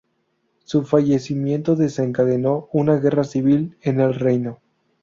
Su fallecimiento desencadenó una guerra civil en el reino.